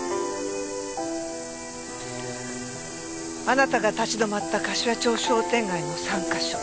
あなたが立ち止まった柏町商店街の３か所。